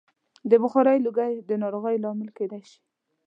د بخارۍ لوګی د ناروغیو لامل کېدای شي.